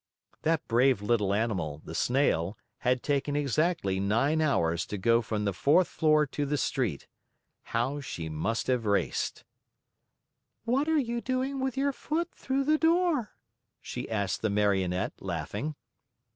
That brave little animal, the Snail, had taken exactly nine hours to go from the fourth floor to the street. How she must have raced! "What are you doing with your foot through the door?" she asked the Marionette, laughing.